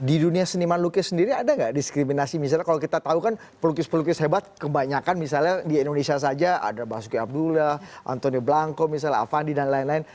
di dunia seniman lukis sendiri ada nggak diskriminasi misalnya kalau kita tahu kan pelukis pelukis hebat kebanyakan misalnya di indonesia saja ada basuki abdullah antoni blanko misalnya avandi dan lain lain